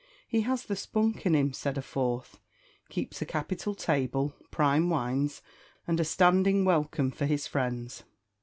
"He has the spunk in him," said a fourth; "keeps a capital table, prime wines, and a standing welcome for his friends."